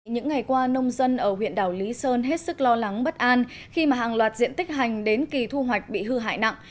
những ngày qua nông dân ở huyện đảo lý sơn hết sức lo lắng bất an khi mà hàng loạt diện tích hành đến kỳ thu hoạch bị hư hại nặng